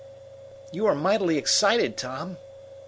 "You are mightily excited, Tom.